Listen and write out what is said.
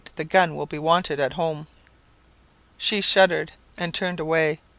The gun will be wanted at home.'. "She shuddered and turned away.